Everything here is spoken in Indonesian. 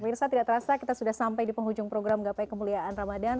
mirsa tidak terasa kita sudah sampai di penghujung program gapai kemuliaan ramadhan